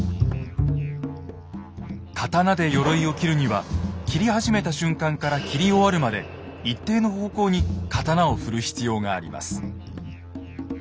刀でよろいを斬るには斬り始めた瞬間から斬り終わるまで一定の方向に刀を振る必要があります。